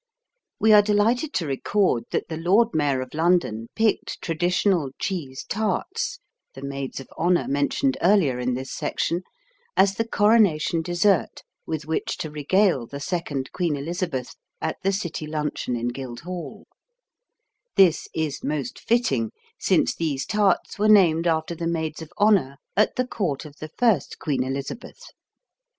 We are delighted to record that the Lord Mayor of London picked traditional cheese tarts, the maids of honor mentioned earlier in this section, as the Coronation dessert with which to regale the second Queen Elizabeth at the city luncheon in Guildhall This is most fitting, since these tarts were named after the maids of honor at the court of the first Queen Elizabeth.